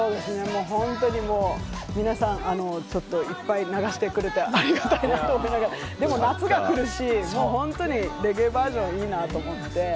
本当にもう皆さん、ちょっといっぱい流してくれてありがたいなと思いながら、でも夏が来るし、レゲエバージョンいいなと思ってて。